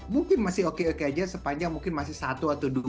mungkin masih oke oke aja sepanjang mungkin masih satu atau dua